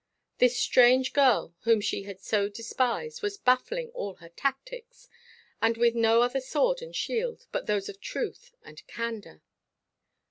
This strange girl—whom she had so despised—was baffling all her tactics, and with no other sword and shield but those of truth and candour.